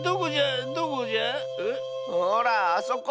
ほらあそこ。